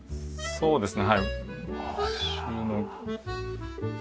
そうですね。